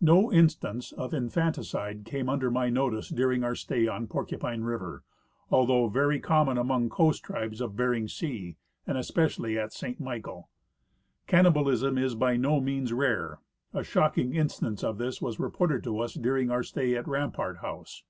No instance of infanticide came under my notice during our stay on Porcupine river, although very com mon among the coast tribes of Bering sea, and especiall}^ at Saint Michael. Cannibalism is by no means rare. A shocking instance of this was reported to us during our stay at Rampart house.